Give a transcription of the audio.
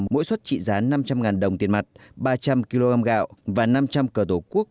mỗi suất trị giá năm trăm linh đồng tiền mặt ba trăm linh kg gạo và năm trăm linh cờ tổ quốc